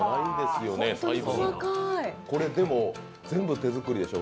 これでも、全部手作りでしょ？